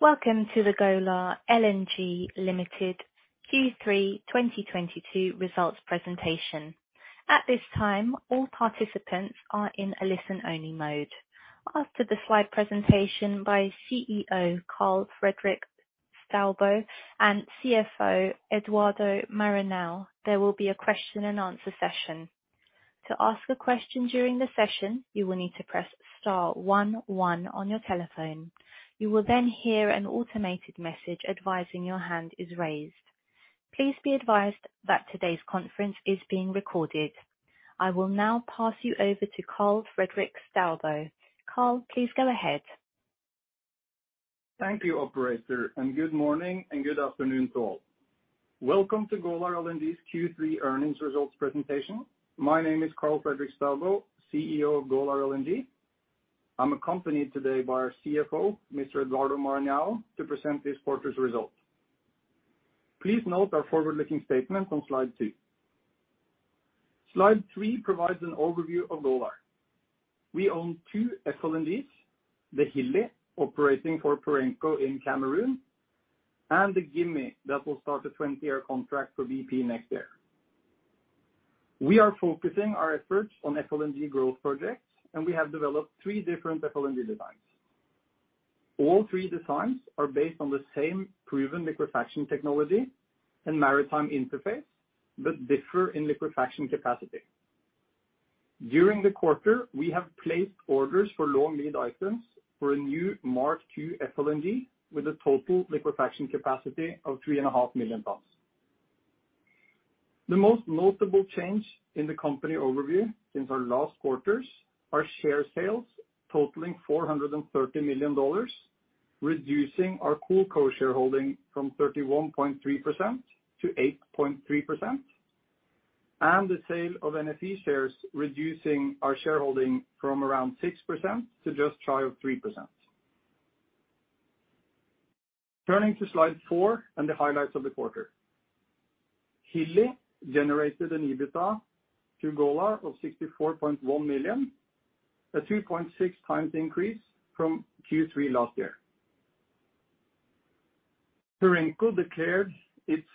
Welcome to the Golar LNG Limited Q3 2022 results presentation. At this time, all participants are in a listen-only mode. After the slide presentation by CEO Karl Fredrik Staubo and CFO Eduardo Maranhão, there will be a question and answer session. To ask a question during the session, you will need to press star one one on your telephone. You will then hear an automated message advising your hand is raised. Please be advised that today's conference is being recorded. I will now pass you over to Karl Fredrik Staubo. Karl, please go ahead. Thank you, operator, and good morning and good afternoon to all. Welcome to Golar LNG's Q3 earnings results presentation. My name is Karl Fredrik Staubo, CEO of Golar LNG. I'm accompanied today by our CFO, Mr. Eduardo Maranhão, to present this quarter's results. Please note our forward-looking statement on slide two. Slide three provides an overview of Golar. We own two FLNGs, the Hilli, operating for Perenco in Cameroon, and the Gimi that will start a 20-year contract for BP next year. We are focusing our efforts on FLNG growth projects, and we have developed three different FLNG designs. All three designs are based on the same proven liquefaction technology and maritime interface, but differ in liquefaction capacity. During the quarter, we have placed orders for long-lead items for a new MKII FLNG with a total liquefaction capacity of 3.5 million tons. The most notable change in the company overview since our last quarters are share sales totaling $430 million, reducing our CoolCo shareholding from 31.3% to 8.3%, and the sale of NFE shares, reducing our shareholding from around 6% to just shy of 3%. Turning to slide four and the highlights of the quarter. Hilli generated an EBITDA to Golar of $64.1 million, a 2.6x increase from Q3 last year. Perenco declared its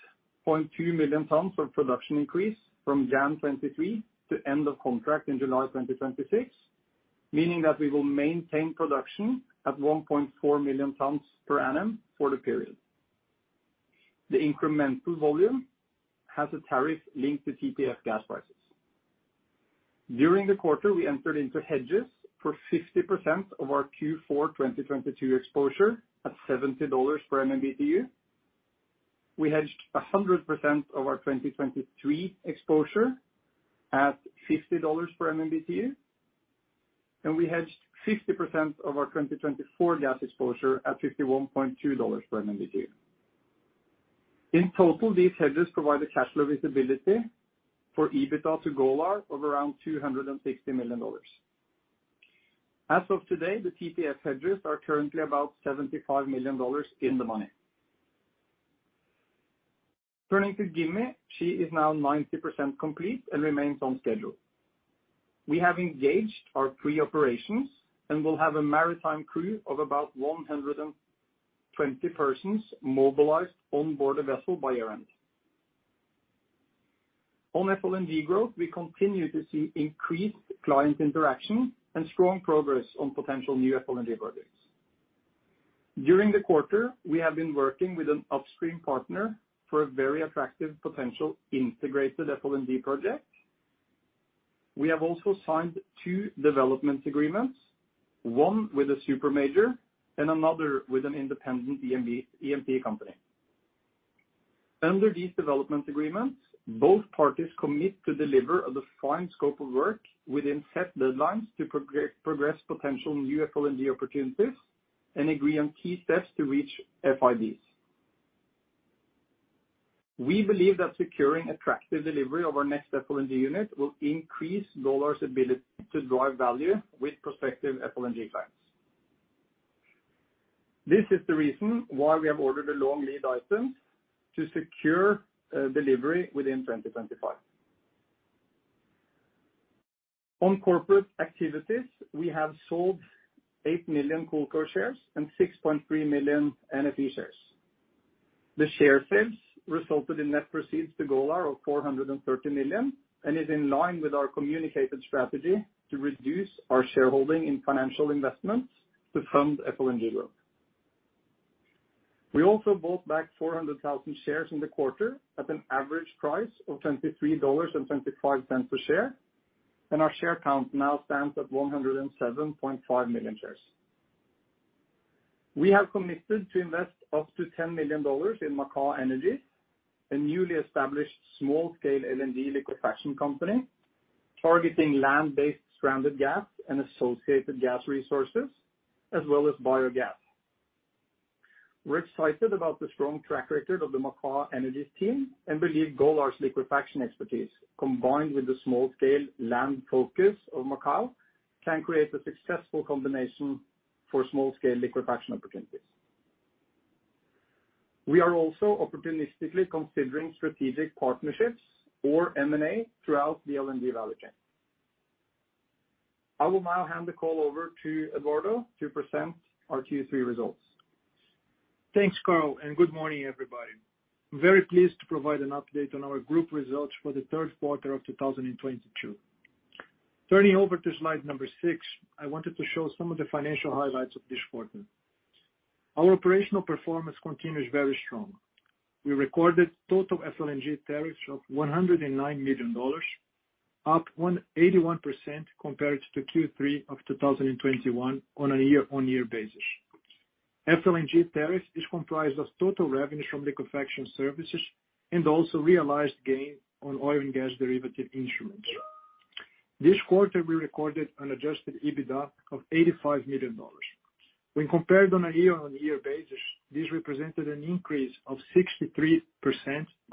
0.2 million tons of production increase from January 2023 to end of contract in July 2026, meaning that we will maintain production at 1.4 million tons per annum for the period. The incremental volume has a tariff linked to TTF gas prices. During the quarter, we entered into hedges for 50% of our Q4 2022 exposure at $70 per MMBtu. We hedged 100% of our 2023 exposure at $50 per MMBtu, and we hedged 60% of our 2024 gas exposure at $51.2 per MMBtu. In total, these hedges provided cash flow visibility for EBITDA to Golar of around $260 million. As of today, the TTF hedges are currently about $75 million in the money. Turning to Gimi, she is now 90% complete and remains on schedule. We have engaged our pre-operations and will have a maritime crew of about 120 persons mobilized on board the vessel by year-end. On FLNG growth, we continue to see increased client interaction and strong progress on potential new FLNG projects. During the quarter, we have been working with an upstream partner for a very attractive potential integrated FLNG project. We have also signed two development agreements, one with a super major and another with an independent E&P company. Under these development agreements, both parties commit to deliver a defined scope of work within set deadlines to progress potential new FLNG opportunities and agree on key steps to reach FIDs. We believe that securing attractive delivery of our next FLNG unit will increase Golar's ability to drive value with prospective FLNG clients. This is the reason why we have ordered the long-lead items to secure delivery within 2025. On corporate activities, we have sold 8 million CoolCo shares and 6.3 million NFE shares. The share sales resulted in net proceeds to Golar of $430 million, and is in line with our communicated strategy to reduce our shareholding in financial investments to fund FLNG growth. We also bought back 400,000 shares in the quarter at an average price of $23.25 per share, and our share count now stands at 107.5 million shares. We have committed to invest up to $10 million in Macaw Energies, a newly established small-scale LNG liquefaction company targeting land-based stranded gas and associated gas resources, as well as biogas. We're excited about the strong track record of the Macaw Energies team and believe Golar's liquefaction expertise, combined with the small scale land focus of Macaw, can create a successful combination for small-scale liquefaction opportunities. We are also opportunistically considering strategic partnerships or M&A throughout the LNG value chain. I will now hand the call over to Eduardo to present our Q3 results. Thanks, Karl, and good morning, everybody. I'm very pleased to provide an update on our group results for the third quarter of 2022. Turning over to slide number six, I wanted to show some of the financial highlights of this quarter. Our operational performance continues very strong. We recorded total FLNG tariffs of $109 million, up 181% compared to Q3 of 2021 on a year-on-year basis. FLNG tariff is comprised of total revenue from liquefaction services and also realized gain on oil and gas derivative instruments. This quarter, we recorded an adjusted EBITDA of $85 million. When compared on a year-on-year basis, this represented an increase of 63%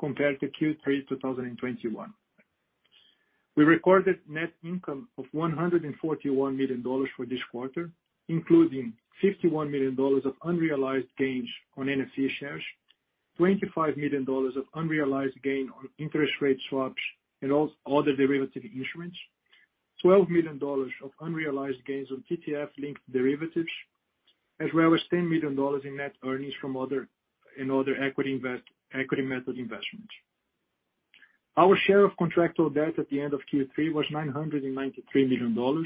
compared to Q3 2021. We recorded net income of $141 million for this quarter, including $51 million of unrealized gains on NFE shares, $25 million of unrealized gain on interest rate swaps and also other derivative instruments, $12 million of unrealized gains on TTF-linked derivatives, as well as $10 million in net earnings from other equity method investments. Our share of contractual debt at the end of Q3 was $993 million,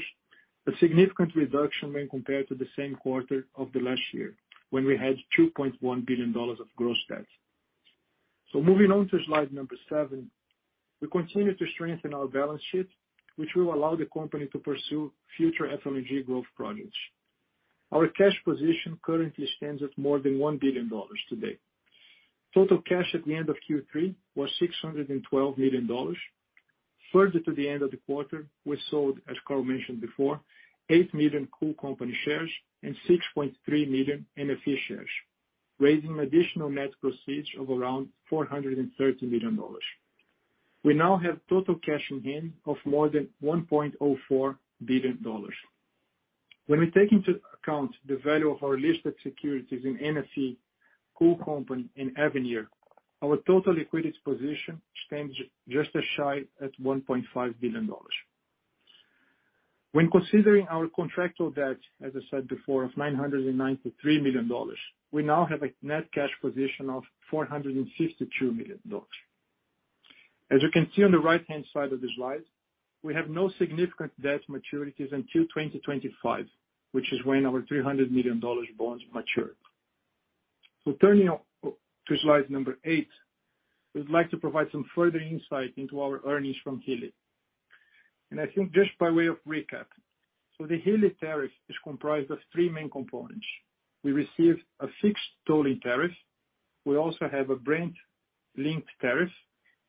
a significant reduction when compared to the same quarter of the last year when we had $2.1 billion of gross debt. Moving on to slide number seven. We continue to strengthen our balance sheet, which will allow the company to pursue future FLNG growth projects. Our cash position currently stands at more than $1 billion today. Total cash at the end of Q3 was $612 million. Further to the end of the quarter, we sold, as Karl mentioned before, 8 million Cool Company shares and 6.3 million NFE shares, raising additional net proceeds of around $430 million. We now have total cash in hand of more than $1.04 billion. When we take into account the value of our listed securities in NFE, Cool Company, and Avenir, our total liquidity position stands just shy of $1.5 billion. When considering our contractual debt, as I said before, of $993 million, we now have a net cash position of $452 million. As you can see on the right-hand side of the slide, we have no significant debt maturities until 2025, which is when our $300 million bonds mature. Turning to slide number eight, we'd like to provide some further insight into our earnings from Hilli. I think just by way of recap, so the Hilli tariff is comprised of three main components. We receive a fixed tolling tariff. We also have a Brent-linked tariff,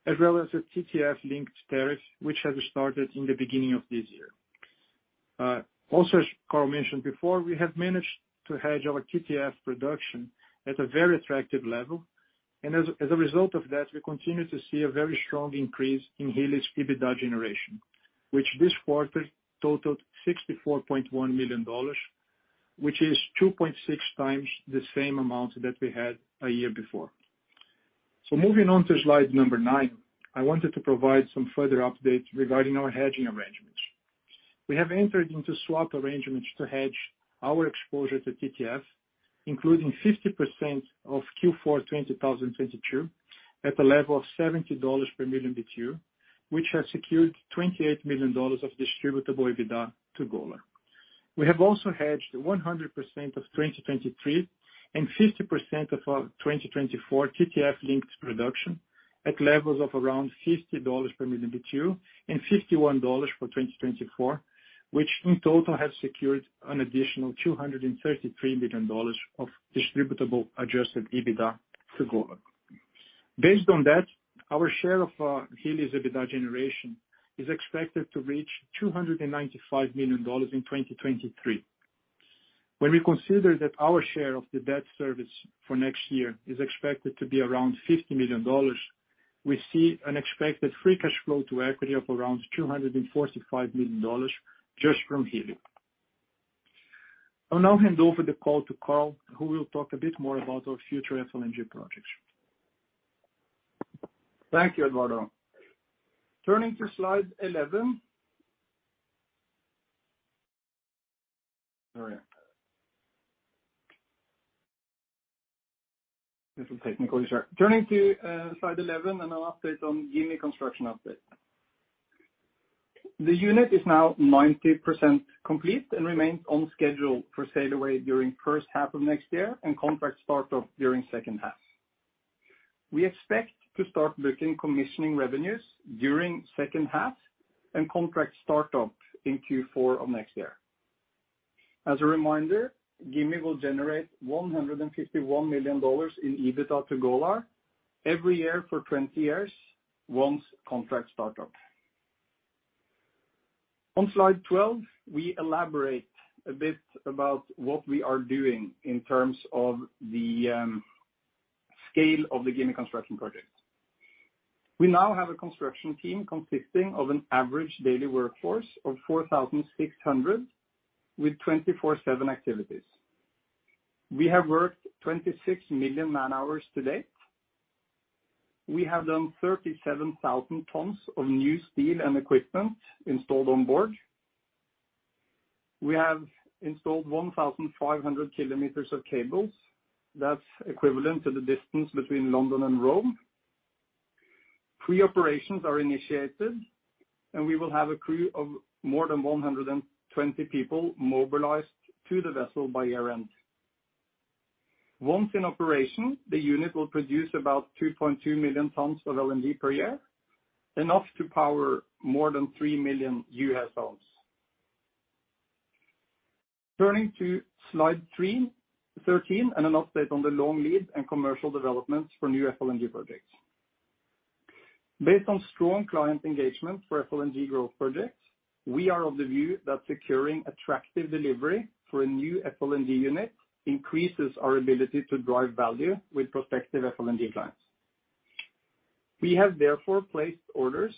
as well as a TTF-linked tariff, which has started in the beginning of this year. Also, as Karl mentioned before, we have managed to hedge our TTF production at a very attractive level, and as a result of that, we continue to see a very strong increase in Hilli's EBITDA generation, which this quarter totaled $64.1 million, which is 2.6x the same amount that we had a year before. Moving on to slide number nine, I wanted to provide some further updates regarding our hedging arrangements. We have entered into swap arrangements to hedge our exposure to TTF, including 50% of Q4 2022 at a level of $70 per MMBtu, which has secured $28 million of distributable EBITDA to Golar. We have also hedged 100% of 2023 and 50% of our 2024 TTF-linked production at levels of around $50 per MMBtu and $51 for 2024, which in total have secured an additional $233 million of distributable adjusted EBITDA to Golar. Based on that, our share of Hilli's EBITDA generation is expected to reach $295 million in 2023. When we consider that our share of the debt service for next year is expected to be around $50 million, we see an expected free cash flow to equity of around $245 million just from Hilli. I'll now hand over the call to Karl, who will talk a bit more about our future FLNG projects. Thank you, Eduardo. Turning to slide 11, an update on Gimi construction update. The unit is now 90% complete and remains on schedule for sail away during first half of next year and contract start up during second half. We expect to start booking commissioning revenues during second half and contract start up in Q4 of next year. As a reminder, Gimi will generate $151 million in EBITDA to Golar every year for 20 years once contract start up. On slide 12, we elaborate a bit about what we are doing in terms of the scale of the Gimi construction project. We now have a construction team consisting of an average daily workforce of 4,600 with 24/7 activities. We have worked 26 million man-hours to date. We have done 37,000 tons of new steel and equipment installed on board. We have installed 1,500 km of cables. That's equivalent to the distance between London and Rome. Pre-operations are initiated, and we will have a crew of more than 120 people mobilized to the vessel by year-end. Once in operation, the unit will produce about 2.2 million tons of LNG per year, enough to power more than 3 million U.S. homes. Turning to slide 13 and an update on the long lead and commercial developments for new FLNG projects. Based on strong client engagement for FLNG growth projects, we are of the view that securing attractive delivery for a new FLNG unit increases our ability to drive value with prospective FLNG clients. We have therefore placed orders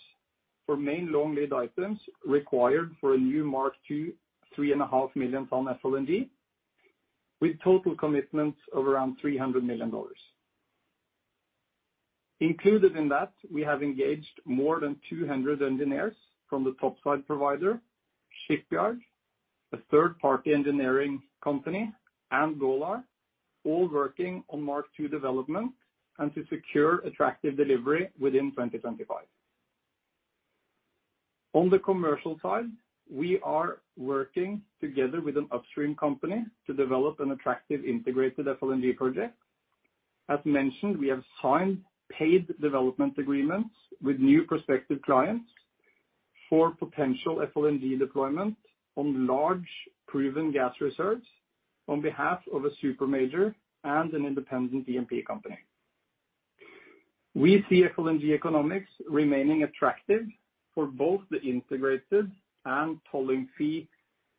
for main long lead items required for a new MKII 3.5 million ton FLNG, with total commitments of around $300 million. Included in that, we have engaged more than 200 engineers from the topside provider, shipyard, a third-party engineering company, and Golar, all working on MKII development and to secure attractive delivery within 2025. On the commercial side, we are working together with an upstream company to develop an attractive integrated FLNG project. As mentioned, we have signed paid development agreements with new prospective clients for potential FLNG deployment on large proven gas reserves on behalf of a super major and an independent E&P company. We see FLNG economics remaining attractive for both the integrated and tolling fee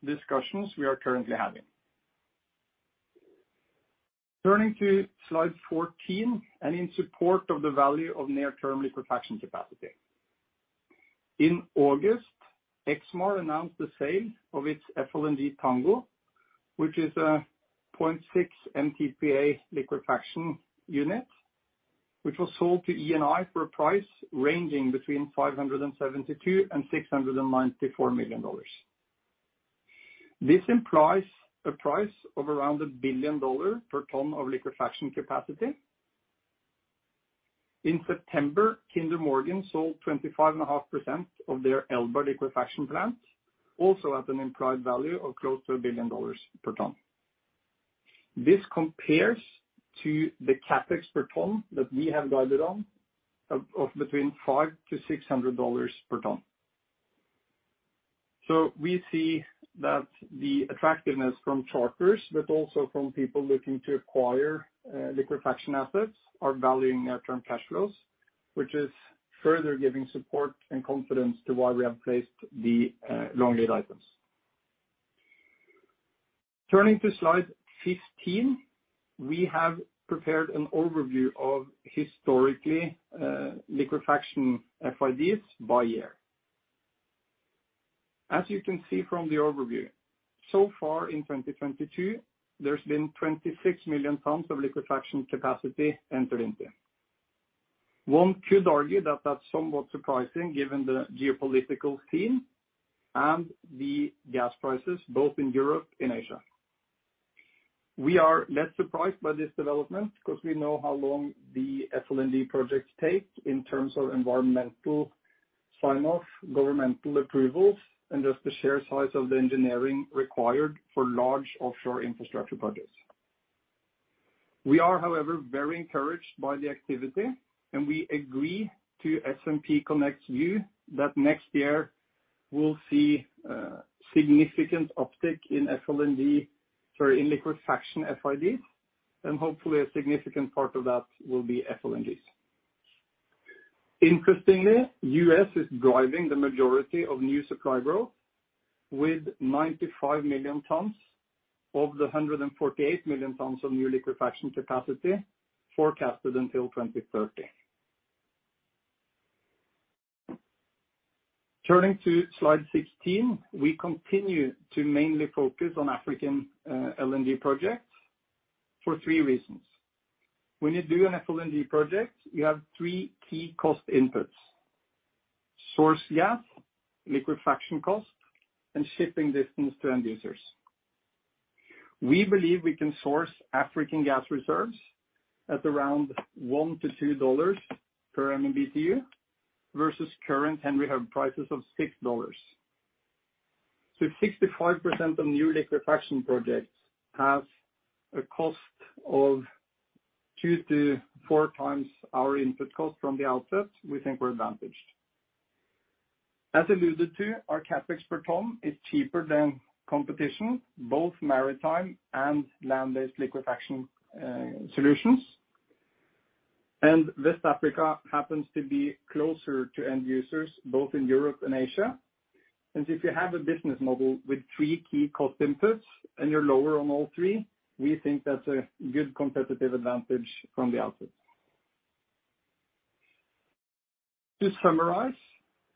discussions we are currently having. Turning to slide 14 in support of the value of near-term liquefaction capacity. In August, Exmar announced the sale of its FLNG Tango, which is a 0.6 MTPA liquefaction unit, which was sold to Eni for a price ranging between $572 million and $694 million. This implies a price of around a billion dollar per ton of liquefaction capacity. In September, Kinder Morgan sold 25.5% of their Elba liquefaction plant, also at an implied value of close to a $1 billion per ton. This compares to the CapEx per ton that we have guided on of between $500-$600 per ton. We see that the attractiveness from charters, but also from people looking to acquire, liquefaction assets are valuing near-term cash flows, which is further giving support and confidence to why we have placed the, long lead items. Turning to slide 15, we have prepared an overview of historically, liquefaction FIDs by year. As you can see from the overview, so far in 2022, there's been 26 million tons of liquefaction capacity entered into. One could argue that that's somewhat surprising given the geopolitical scene and the gas prices both in Europe and Asia. We are less surprised by this development because we know how long the FLNG projects take in terms of environmental sign-off, governmental approvals, and just the sheer size of the engineering required for large offshore infrastructure projects. We are, however, very encouraged by the activity, and we agree to S&P Connect's view that next year we'll see significant uptick in liquefaction FIDs, and hopefully a significant part of that will be FLNGs. Interestingly, U.S. is driving the majority of new supply growth with 95 million tons of the 148 million tons of new liquefaction capacity forecasted until 2030. Turning to slide 16, we continue to mainly focus on African LNG projects for three reasons. When you do an FLNG project, you have three key cost inputs, source gas, liquefaction cost, and shipping distance to end users. We believe we can source African gas reserves at around $1-$2 per MMBtu versus current Henry Hub prices of $6. If 65% of new liquefaction projects have a cost of 2x-4x our input cost from the outset, we think we're advantaged. As alluded to, our CapEx per ton is cheaper than competition, both maritime and land-based liquefaction solutions. West Africa happens to be closer to end users, both in Europe and Asia. If you have a business model with three key cost inputs and you're lower on all three, we think that's a good competitive advantage from the outset. To summarize,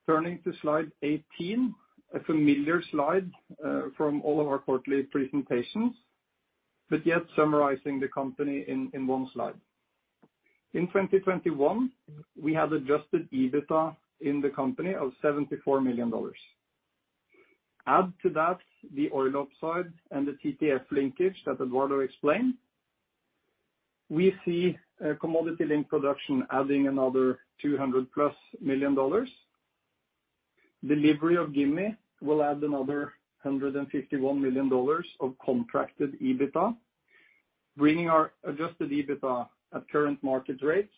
turning to slide 18, a familiar slide from all of our quarterly presentations, but yet summarizing the company in one slide. In 2021, we had adjusted EBITDA in the company of $74 million. Add to that the oil upside and the TTF linkage that Eduardo explained. We see a commodity link production adding another $200+ million. Delivery of Gimi will add another $151 million of contracted EBITDA, bringing our adjusted EBITDA at current market rates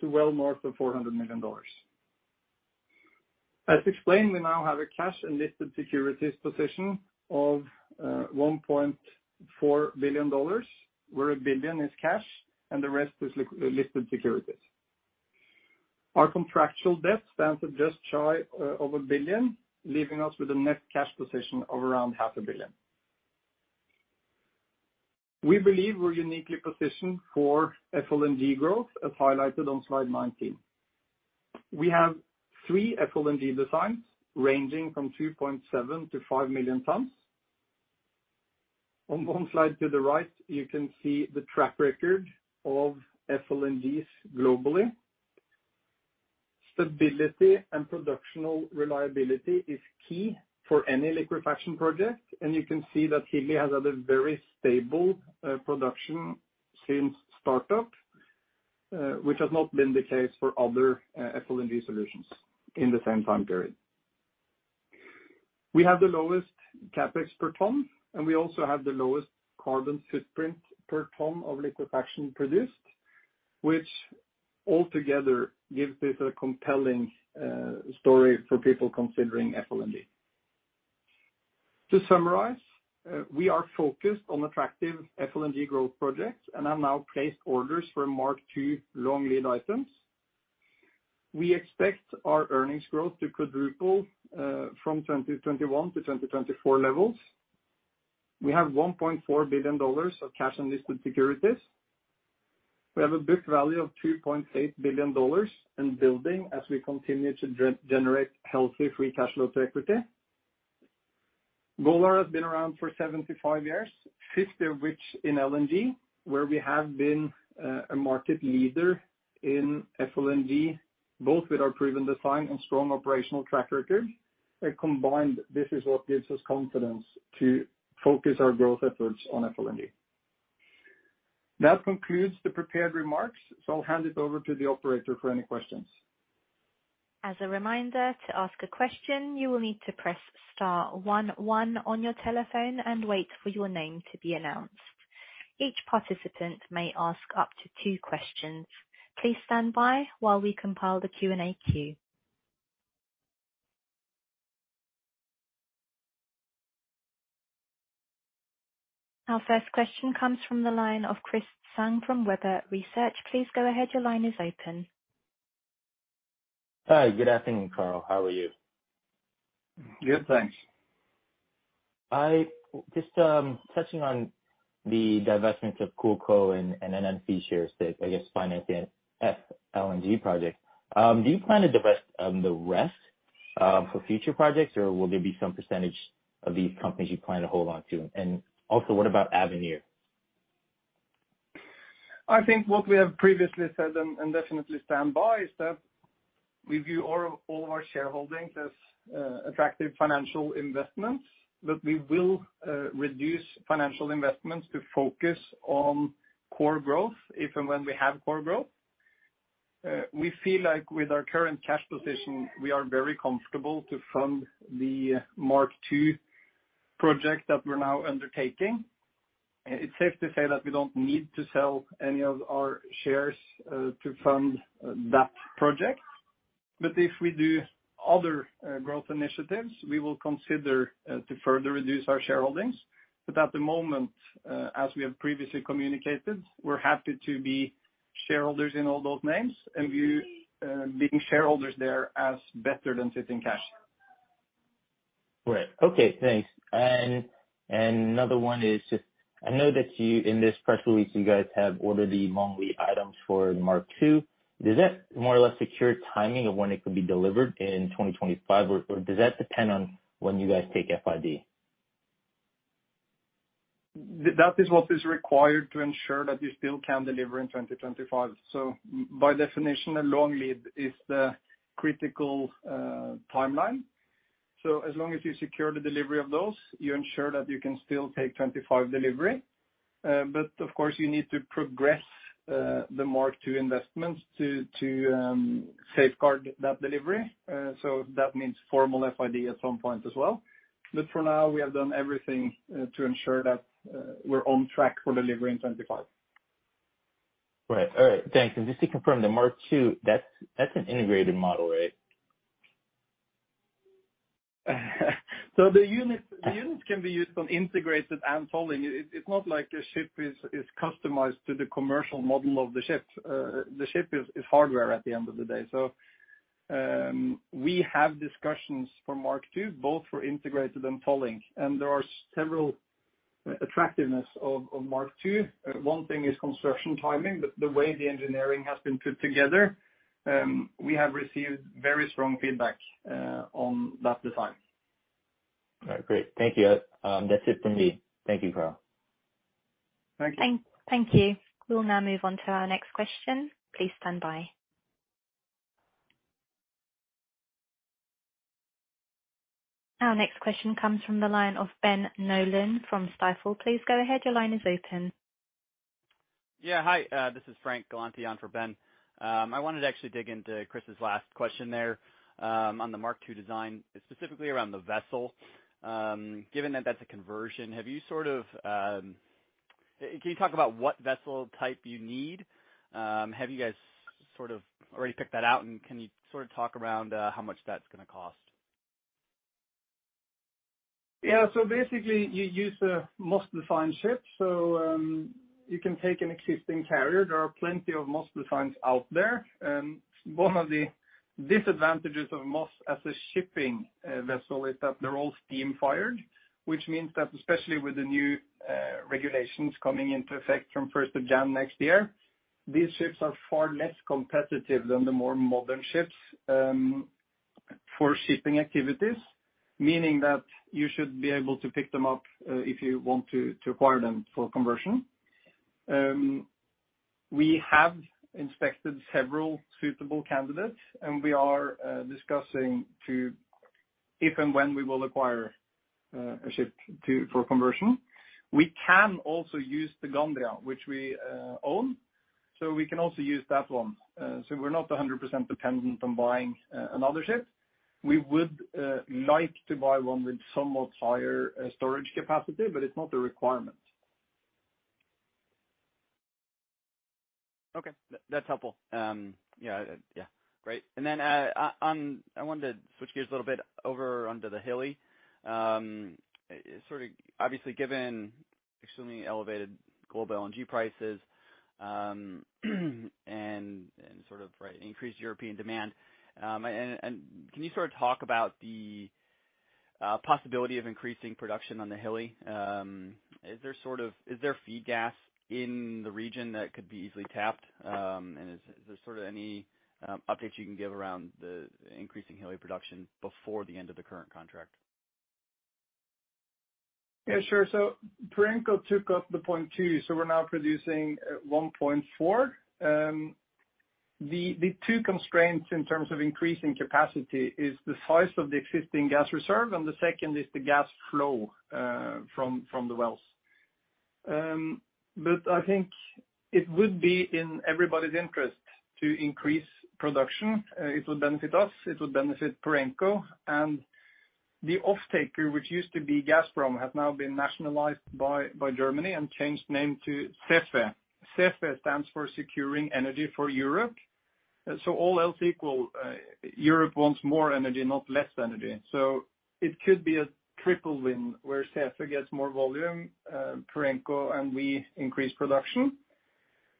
to well north of $400 million. As explained, we now have a cash and listed securities position of $1.4 billion, where $1 billion is cash and the rest is listed securities. Our contractual debt stands at just shy of $1 billion, leaving us with a net cash position of around $500 million. We believe we're uniquely positioned for FLNG growth, as highlighted on slide 19. We have three FLNG designs ranging from 2.7 million to 5 million tons. On one slide to the right, you can see the track record of FLNGs globally. Stability and production reliability is key for any liquefaction project, and you can see that Hilli has had a very stable production since startup, which has not been the case for other FLNG solutions in the same time period. We have the lowest CapEx per ton, and we also have the lowest carbon footprint per ton of liquefaction produced, which altogether gives this a compelling story for people considering FLNG. To summarize, we are focused on attractive FLNG growth projects and have now placed orders for MKII long-lead items. We expect our earnings growth to quadruple from 2021 to 2024 levels. We have $1.4 billion of cash and listed securities. We have a book value of $2.8 billion and building as we continue to generate healthy free cash flow to equity. Golar has been around for 75 years, 50 of which in LNG, where we have been a market leader in FLNG, both with our proven design and strong operational track record. Combined, this is what gives us confidence to focus our growth efforts on FLNG. That concludes the prepared remarks, so I'll hand it over to the operator for any questions. As a reminder, to ask a question, you will need to press star one one on your telephone and wait for your name to be announced. Each participant may ask up to two questions. Please stand by while we compile the Q&A queue. Our first question comes from the line of Chris Tsung from Webber Research. Please go ahead. Your line is open. Hi. Good afternoon, Karl. How are you? Good, thanks. Just touching on the divestment of CoolCo and NFE shares to, I guess, finance the FLNG project. Do you plan to divest the rest for future projects, or will there be some percentage of these companies you plan to hold on to? What about Avenir? I think what we have previously said and definitely stand by is that we view our all of our shareholdings as attractive financial investments. We will reduce financial investments to focus on core growth, if and when we have core growth. We feel like with our current cash position, we are very comfortable to fund the MKII project that we're now undertaking. It's safe to say that we don't need to sell any of our shares to fund that project. If we do other growth initiatives, we will consider to further reduce our shareholdings. At the moment, as we have previously communicated, we're happy to be shareholders in all those names and view being shareholders there as better than sitting cash. Right. Okay, thanks. Another one is just I know that you, in this press release, you guys have ordered the long lead items MKII. Does that more or less secure timing of when it could be delivered in 2025, or does that depend on when you guys take FID? That is what is required to ensure that you still can deliver in 2025. By definition, a long lead is the critical timeline. As long as you secure the delivery of those, you ensure that you can still take 2025 delivery. Of course, you need to progress MKII investments to safeguard that delivery. That means formal FID at some point as well. For now, we have done everything to ensure that we're on track for delivery in 2025. Right. All right. Thanks. Just to confirm MKII, that's an integrated model, right? The unit can be used on integrated and floating. It's not like a ship is customized to the commercial model of the ship. The ship is hardware at the end of the day. We have discussions MKII, both for integrated and floating. There are several attractiveness MKII. One thing is construction timing. The way the engineering has been put together, we have received very strong feedback on that design. All right. Great. Thank you. That's it for me. Thank you, Karl. Thank you. Thank you. We'll now move on to our next question. Please stand by. Our next question comes from the line of Ben Nolan from Stifel. Please go ahead. Your line is open. Yeah. Hi, this is Frank Galanti on for Ben. I wanted to actually dig into Chris's last question there, on MKII design, specifically around the vessel. Given that that's a conversion, have you sort of... Can you talk about what vessel type you need? Have you guys sort of already picked that out, and can you sort of talk around how much that's gonna cost? Basically, you use a Moss-designed ship. You can take an existing carrier. There are plenty of Moss designs out there. One of the disadvantages of Moss as a shipping vessel is that they're all steam-fired, which means that especially with the new regulations coming into effect from 1st of January next year, these ships are far less competitive than the more modern ships for shipping activities. Meaning that you should be able to pick them up if you want to acquire them for conversion. We have inspected several suitable candidates, and we are discussing if and when we will acquire a ship for conversion. We can also use the Gandria, which we own, so we can also use that one. We're not 100% dependent on buying another ship. We would like to buy one with somewhat higher storage capacity, but it's not a requirement. Okay. That's helpful. Yeah. Great. I wanted to switch gears a little bit over onto the Hilli. Sort of obviously given extremely elevated global LNG prices, and sort of increased European demand, and can you sort of talk about the possibility of increasing production on the Hilli? Is there feed gas in the region that could be easily tapped? And is there sort of any updates you can give around the increasing Hilli production before the end of the current contract? Yeah, sure. Perenco took up the 0.2, so we're now producing 1.4. The two constraints in terms of increasing capacity is the size of the existing gas reserve, and the second is the gas flow from the wells. I think it would be in everybody's interest to increase production. It would benefit us, it would benefit Perenco. The offtaker, which used to be Gazprom, has now been nationalized by Germany and changed name to SEFE. SEFE stands for Securing Energy for Europe. All else equal, Europe wants more energy, not less energy. It could be a triple win where SEFE gets more volume, Perenco and we increase production.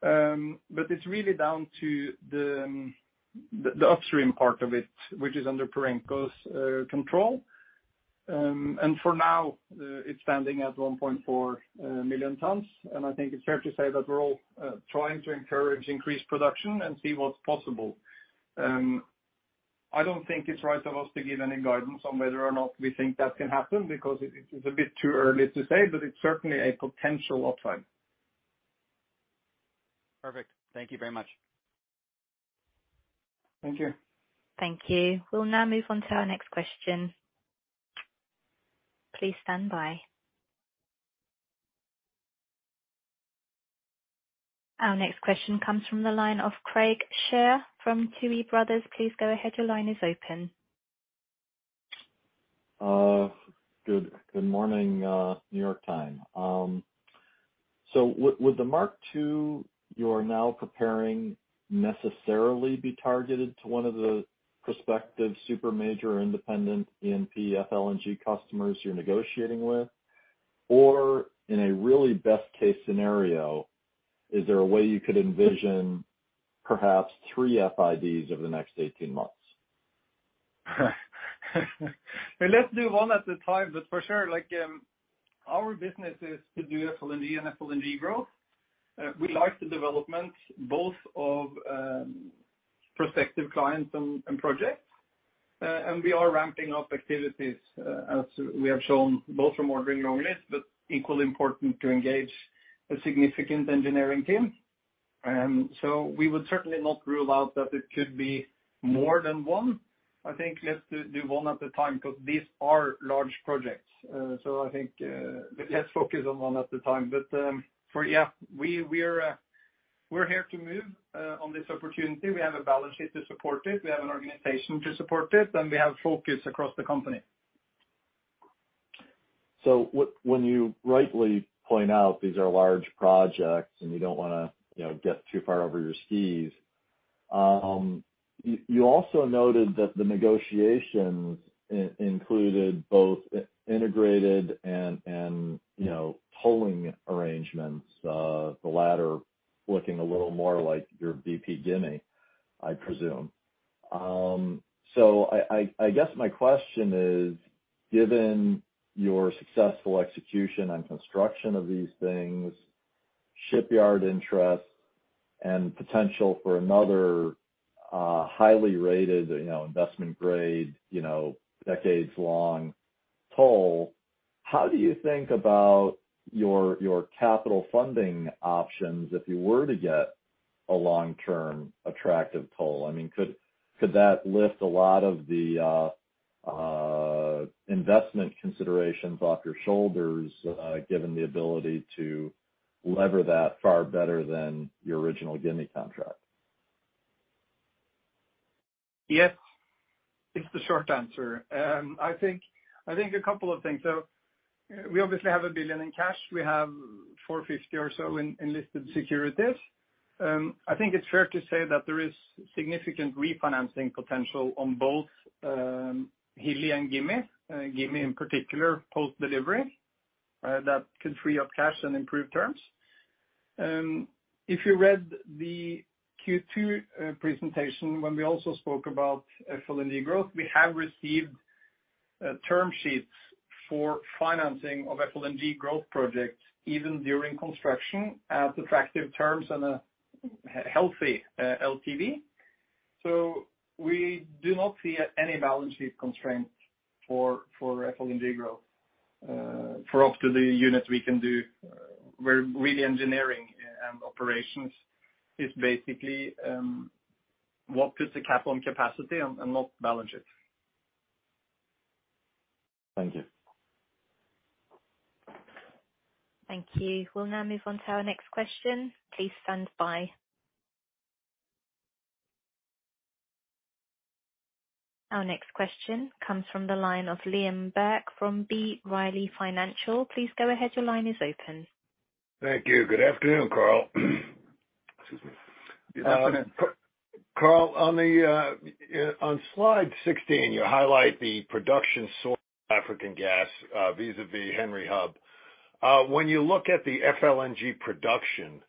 It's really down to the upstream part of it, which is under Perenco's control. For now, it's standing at 1.4 million tons. I think it's fair to say that we're all trying to encourage increased production and see what's possible. I don't think it's right of us to give any guidance on whether or not we think that can happen because it's a bit too early to say, but it's certainly a potential upside. Perfect. Thank you very much. Thank you. Thank you. We'll now move on to our next question. Please stand by. Our next question comes from the line of Craig Shere from Tuohy Brothers. Please go ahead. Your line is open. Good morning, New York time. With MKII, you're now preparing necessarily be targeted to one of the prospective super major independent E&P FLNG customers you're negotiating with? Or in a really best case scenario, is there a way you could envision perhaps 3 FIDs over the next 18 months? Let's do one at a time. For sure, like, our business is to do FLNG and FLNG growth. We like the development both of prospective clients and projects. We are ramping up activities, as we have shown, both from ordering long list, but equally important to engage a significant engineering team. We would certainly not rule out that it could be more than one. I think let's do one at a time 'cause these are large projects. I think, let's focus on one at a time. For yeah, we're here to move on this opportunity. We have a balance sheet to support it, we have an organization to support it, and we have focus across the company. When you rightly point out these are large projects and you don't wanna, you know, get too far over your skis, you also noted that the negotiations included both integrated and, you know, tolling arrangements, the latter looking a little more like your BP Gimi, I presume. I guess my question is, given your successful execution on construction of these things, shipyard interest and potential for another, highly rated, you know, investment grade, you know, decades long toll, how do you think about your capital funding options if you were to get a long-term attractive toll? I mean, could that lift a lot of the investment considerations off your shoulders, given the ability to lever that far better than your original Gimi contract? Yes. It's the short answer. I think a couple of things. We obviously have $1 billion in cash. We have $450 million or so in listed securities. I think it's fair to say that there is significant refinancing potential on both Hilli and Gimi in particular, post-delivery, that could free up cash and improve terms. If you read the Q2 presentation when we also spoke about FLNG growth, we have received term sheets for financing of FLNG growth projects even during construction at attractive terms and a healthy LTV. We do not see any balance sheet constraints for FLNG growth, for up to the unit we can do. Engineering and operations is basically what puts a cap on capacity and not balance sheet. Thank you. Thank you. We'll now move on to our next question. Please stand by. Our next question comes from the line of Liam Burke from B. Riley Financial. Please go ahead. Your line is open. Thank you. Good afternoon, Karl. Excuse me. Good afternoon. Karl, on slide 16, you highlight the production source African gas, vis-a-vis Henry Hub. When you look at the FLNG production,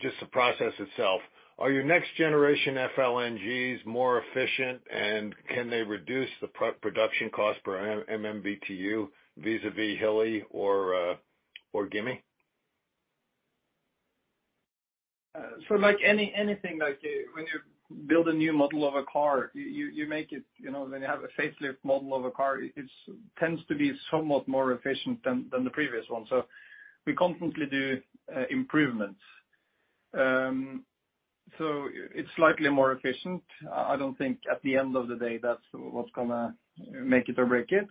just the process itself, are your next generation FLNGs more efficient, and can they reduce the production cost per MMBtu vis-a-vis Hilli or Gimi? Like anything, like when you build a new model of a car, you make it, you know, when you have a facelift model of a car, it tends to be somewhat more efficient than the previous one. We constantly do improvements. It's slightly more efficient. I don't think at the end of the day that's what's gonna make it or break it.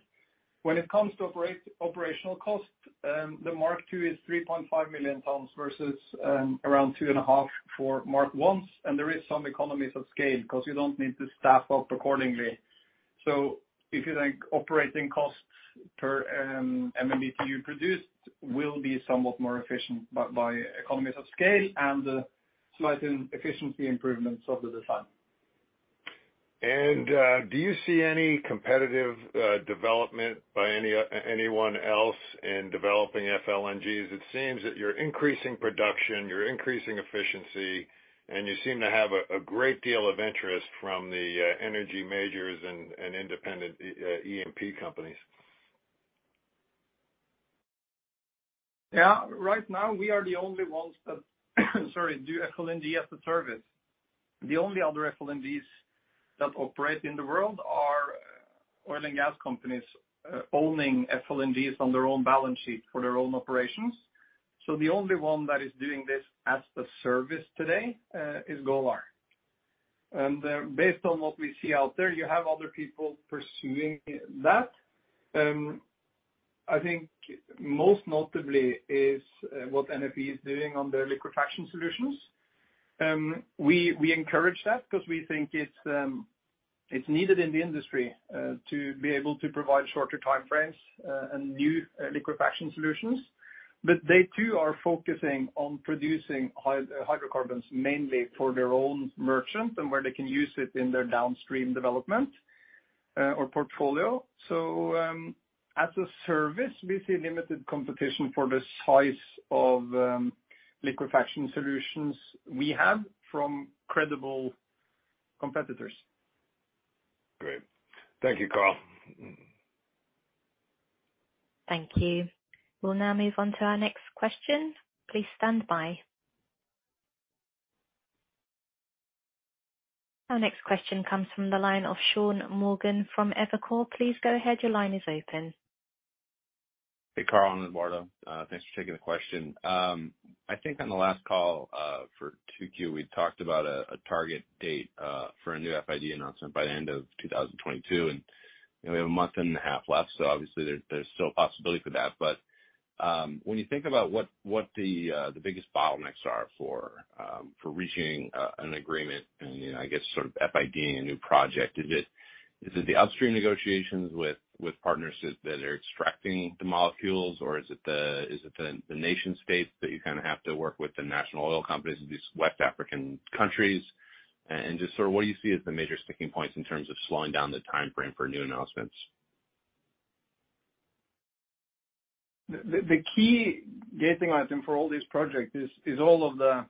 When it comes to operational costs, MKII is 3.5 million tons versus around 2.5 million tons for MKI's. There is some economies of scale because you don't need to staff up accordingly. If you like, operating costs per MMBtu produced will be somewhat more efficient by economies of scale and slight efficiency improvements over the time. Do you see any competitive development by anyone else in developing FLNGs? It seems that you're increasing production, you're increasing efficiency, and you seem to have a great deal of interest from the energy majors and independent E&P companies. Yeah. Right now, we are the only ones that do FLNG as a service. The only other FLNGs that operate in the world are oil and gas companies owning FLNGs on their own balance sheet for their own operations. The only one that is doing this as a service today is Golar. Based on what we see out there, you have other people pursuing that. I think most notably is what NFE is doing on their liquefaction solutions. We encourage that because we think it's needed in the industry to be able to provide shorter time frames and new liquefaction solutions. They too are focusing on producing hydrocarbons mainly for their own merchant and where they can use it in their downstream development or portfolio. As a service, we see limited competition for the size of liquefaction solutions we have from credible competitors. Great. Thank you, Karl. Thank you. We'll now move on to our next question. Please stand by. Our next question comes from the line of Sean Morgan from Evercore. Please go ahead. Your line is open. Hey, Karl and Eduardo. Thanks for taking the question. I think on the last call, for 2Q, we talked about a target date for a new FID announcement by the end of 2022, and, you know, we have a month and a half left, so obviously there's still a possibility for that. When you think about what the biggest bottlenecks are for reaching an agreement and, you know, I guess sort of FID-ing a new project, is it the upstream negotiations with partners that are extracting the molecules, or is it the nation-state that you kind of have to work with the national oil companies in these West African countries? Just sort of what do you see as the major sticking points in terms of slowing down the timeframe for new announcements? The key gating item for all this project is all of the,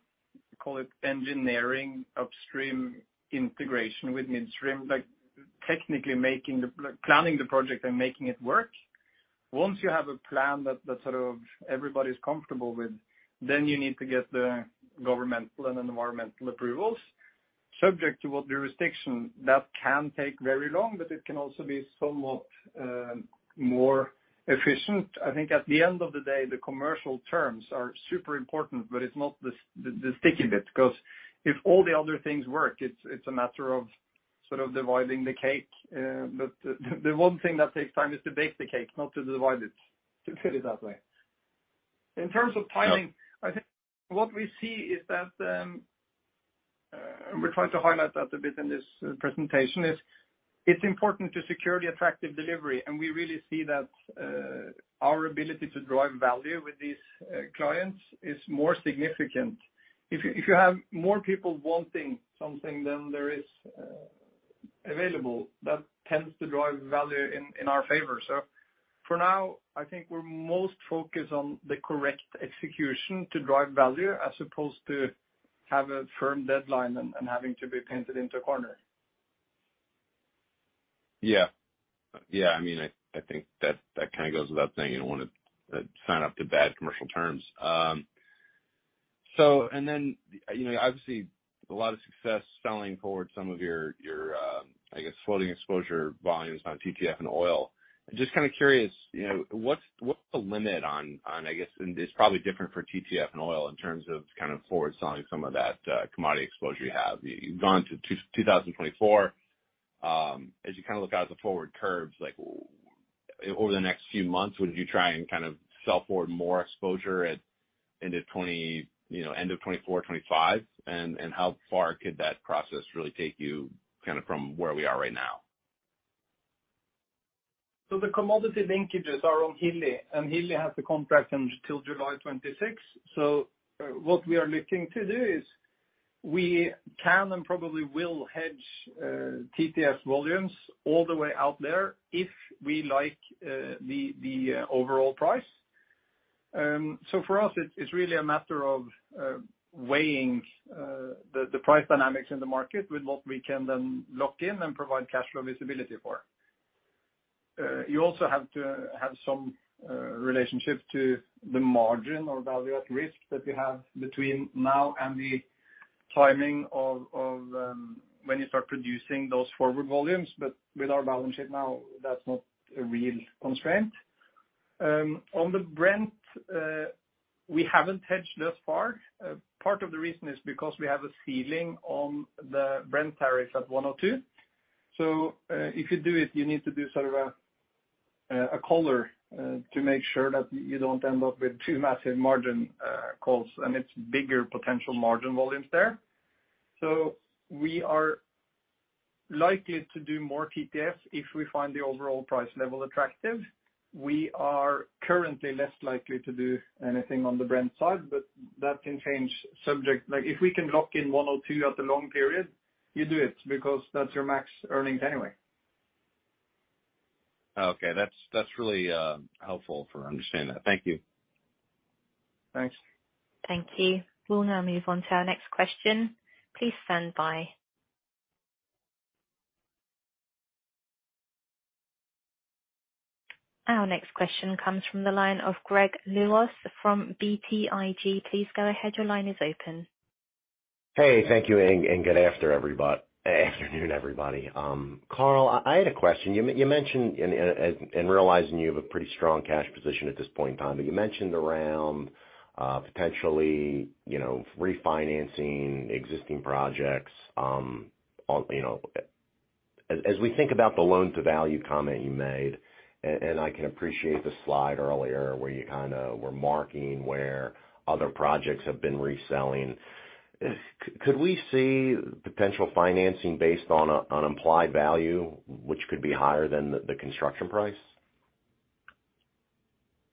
call it engineering upstream integration with midstream. Like technically planning the project and making it work. Once you have a plan that sort of everybody's comfortable with, then you need to get the governmental and environmental approvals. Subject to what jurisdiction, that can take very long, but it can also be somewhat more efficient. I think at the end of the day, the commercial terms are super important, but it's not the sticky bit. 'Cause if all the other things work, it's a matter of sort of dividing the cake. The one thing that takes time is to bake the cake, not to divide it, to put it that way. In terms of timing, I think what we see is that, and we're trying to highlight that a bit in this presentation, is it's important to secure the attractive delivery, and we really see that, our ability to drive value with these clients is more significant. If you have more people wanting something than there is available, that tends to drive value in our favor. For now, I think we're most focused on the correct execution to drive value as opposed to have a firm deadline and having to be painted into a corner. Yeah. Yeah, I mean, I think that kinda goes without saying. You don't wanna sign up to bad commercial terms. And then, you know, obviously a lot of success selling forward some of your, I guess, floating exposure volumes on TTF and oil. Just kind of curious, you know, what's the limit on, I guess, and it's probably different for TTF and oil in terms of kind of forward selling some of that, commodity exposure you have. You've gone to 2024. As you kind of look out at the forward curves, like over the next few months, would you try and kind of sell forward more exposure at end of 2024, you know, end of 2024, 2025? And how far could that process really take you kinda from where we are right now? The commodity linkages are on Hilli, and Hilli has the contract until July 2026. What we are looking to do is we can and probably will hedge TTF volumes all the way out there if we like the overall price. For us it's really a matter of weighing the price dynamics in the market with what we can then lock in and provide cash flow visibility for. You also have to have some relationship to the margin or value at risk that you have between now and the timing of when you start producing those forward volumes. With our balance sheet now, that's not a real constraint. On the Brent, we haven't hedged thus far. Part of the reason is because we have a ceiling on the Brent tariffs at $102. If you do it, you need to do sort of a collar to make sure that you don't end up with too massive margin calls, and it's bigger potential margin volumes there. We are likely to do more TTF if we find the overall price level attractive. We are currently less likely to do anything on the Brent side, but that can change. Like, if we can lock in $102 at the long period, you do it because that's your max earnings anyway. Okay. That's really helpful for understanding that. Thank you. Thanks. Thank you. We'll now move on to our next question. Please stand by. Our next question comes from the line of Greg Lewis from BTIG. Please go ahead. Your line is open. Hey, thank you. Good afternoon, everybody. Karl, I had a question. You mentioned and realizing you have a pretty strong cash position at this point in time, but you mentioned around potentially you know refinancing existing projects on you know. As we think about the loan to value comment you made, and I can appreciate the slide earlier where you kinda were marking where other projects have been reselling, could we see potential financing based on a on implied value, which could be higher than the construction price?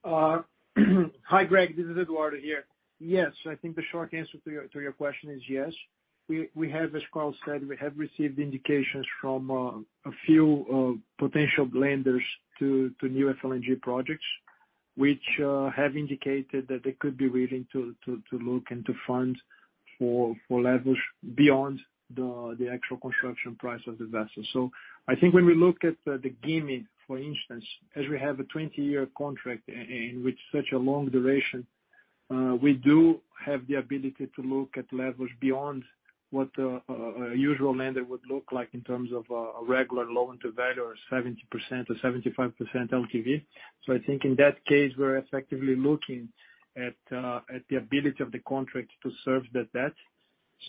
Hi, Greg. This is Eduardo here. Yes. I think the short answer to your question is yes. We have, as Karl said, received indications from a few potential lenders to new FLNG projects, which have indicated that they could be willing to look and to fund for leverage beyond the actual construction price of the vessel. I think when we look at the Gimi, for instance, as we have a 20-year contract and with such a long duration, we do have the ability to look at leverage beyond what a usual lender would look like in terms of a regular loan to value or 70% or 75% LTV. I think in that case, we're effectively looking at the ability of the contract to serve the debt.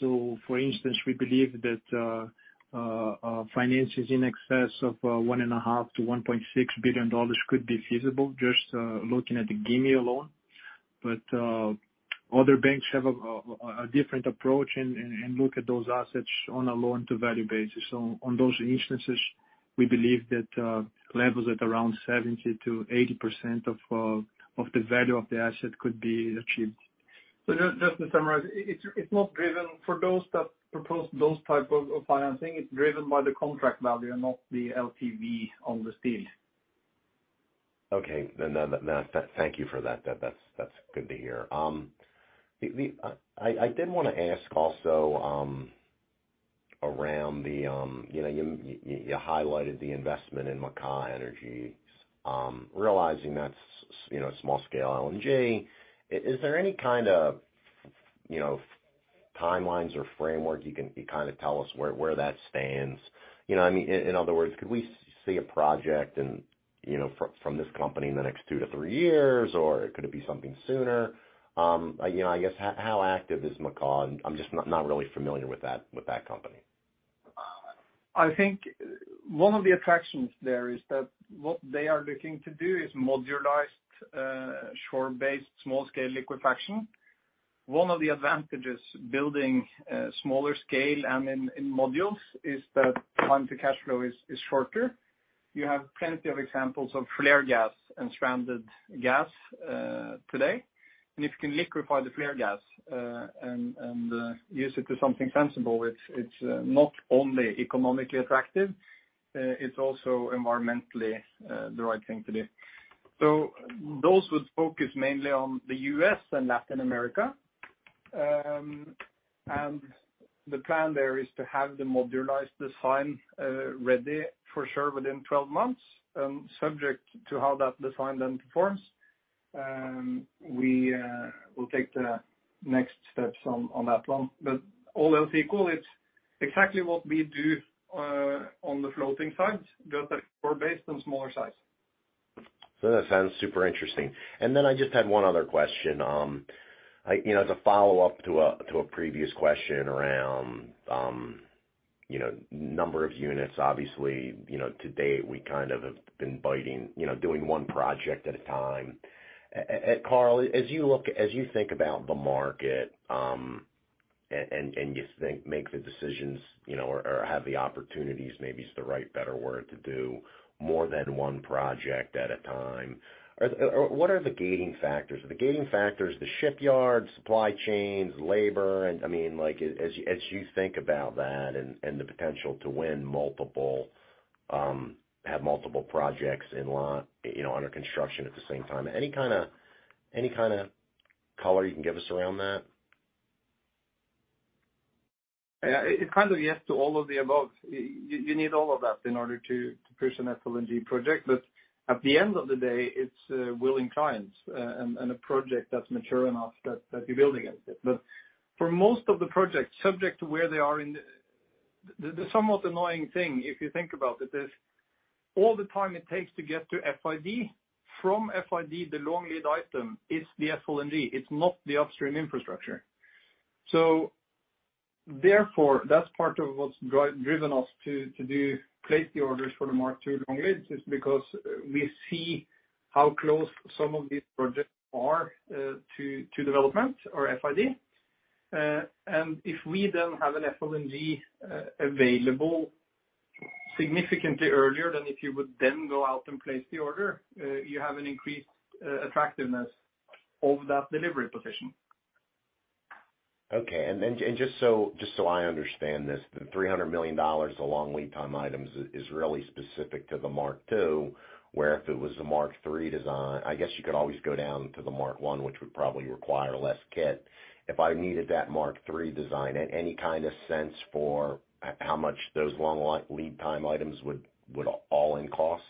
For instance, we believe that finances in excess of $1.5 billion-$1.6 billion could be feasible just looking at the Gimi alone. Other banks have a different approach and look at those assets on a loan to value basis. On those instances, we believe that levels at around 70%-80% of the value of the asset could be achieved. Just to summarize, it's not driven for those that propose those type of financing, it's driven by the contract value, not the LTV on this deal. Okay. Thank you for that. That's good to hear. I did wanna ask also around, you know, you highlighted the investment in Macaw Energies. Realizing that's, you know, small-scale LNG, is there any kind of, you know, timelines or framework you can kind of tell us where that stands? You know, I mean, in other words, could we see a project and, you know, from this company in the next two to three years, or could it be something sooner? You know, I guess, how active is Macaw? I'm just not really familiar with that company. I think one of the attractions there is that what they are looking to do is modularized, shore-based, small-scale liquefaction. One of the advantages of building smaller-scale and in modules is that time to cash flow is shorter. You have plenty of examples of flare gas and stranded gas today. If you can liquefy the flare gas and use it to do something sensible, it's not only economically attractive, it's also environmentally the right thing to do. Those would focus mainly on the U.S. and Latin America. The plan there is to have the modularized design ready for sure within 12 months. Subject to how that design then performs, we will take the next steps on that one. All else equal, it's exactly what we do on the floating side, just that we're based on smaller size. That sounds super interesting. Then I just had one other question. You know, as a follow-up to a previous question around, you know, number of units, obviously, you know, today we kind of have been building, you know, doing one project at a time. Karl, as you think about the market, and you think make the decisions, you know, or have the opportunities, maybe is the right better word to do more than one project at a time. Or what are the gating factors? Are the gating factors the shipyards, supply chains, labor? I mean, like as you think about that and the potential to have multiple projects in line, you know, under construction at the same time, any kinda color you can give us around that? Yeah. It kind of yes to all of the above. You need all of that in order to push an FLNG project. At the end of the day, it's willing clients and a project that's mature enough that you're building it. The somewhat annoying thing, if you think about it, is all the time it takes to get to FID. From FID, the long lead item is the FLNG. It's not the upstream infrastructure. Therefore, that's part of what's driven us to place the orders for the MKII long leads because we see how close some of these projects are to development or FID. If we then have an FLNG available significantly earlier than if you would then go out and place the order, you have an increased attractiveness of that delivery position. Okay. Just so I understand this, the $300 million, the long lead time items is really specific to the MKII, where if it was a MKIII design, I guess you could always go down to the MKI, which would probably require less kit. If I needed that MKIII design, any kind of sense for how much those long lead time items would all-in cost?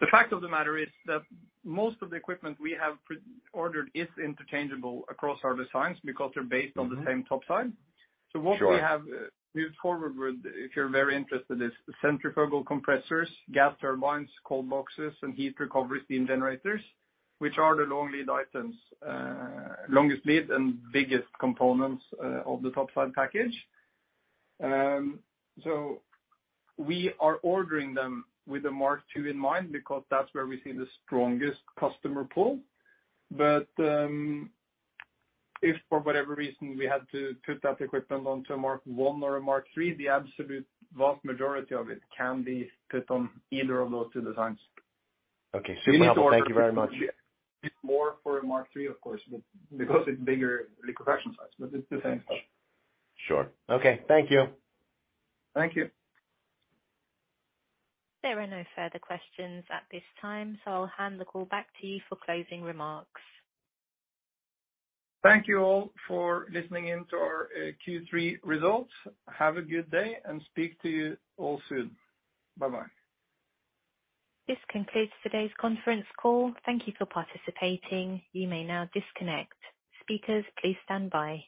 The fact of the matter is that most of the equipment we have pre-ordered is interchangeable across our designs because they're based on the same topsides. Sure. What we have moved forward with, if you're very interested, is centrifugal compressors, gas turbines, cold boxes, and heat recovery steam generators, which are the long lead items, longest lead and biggest components, of the top side package. We are ordering them with the MKII in mind because that's where we see the strongest customer pull. If for whatever reason we had to put that equipment onto a MKI or MKIII, the absolute vast majority of it can be put on either of those two designs. Okay. Super helpful. Thank you very much. More for MKIII, of course, but because it's bigger liquefaction size, but it's the same. Sure. Okay. Thank you. Thank you. There are no further questions at this time, so I'll hand the call back to you for closing remarks. Thank you all for listening in to our Q3 results. Have a good day and speak to you all soon. Bye-bye. This concludes today's conference call. Thank you for participating. You may now disconnect. Speakers, please stand by.